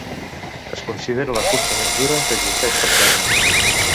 Es considera la cursa més dura que existeix per terra.